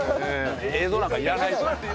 映像なんかいらないと。